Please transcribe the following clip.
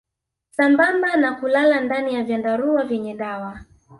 Sambamba na kulala ndani ya vyandarua vyenye dawa